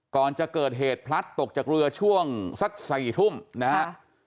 ก่อนจะเกิดเหตุพลัดตกจากเรือช่วงสัก๔ทุ่มนะฮะ